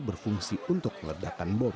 berfungsi untuk meledakan bom